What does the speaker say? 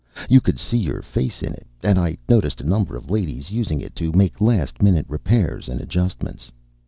You could see your face in it, and I noticed a number of ladies using it to make last minute repairs and adjust ments.